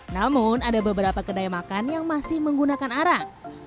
namun ada beberapa kedai makan yang masih menggunakan arang